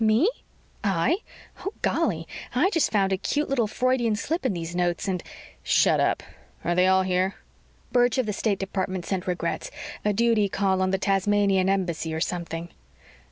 "Me? I? Oh, golly. I just found a cute little Freudian slip in these notes and " "Shut up. Are they all here?" "Birch of the State Department sent regrets. A duty call on the Tasmanian Embassy or something."